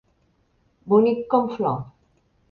Bonic com flor.